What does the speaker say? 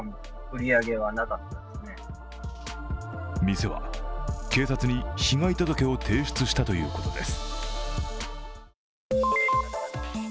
店は警察に被害届を提出したということです。